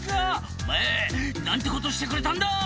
「お前何てことしてくれたんだ！」